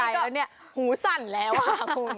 แค่ชื่อนั้นก็หูสั้นแหละว่าคุณ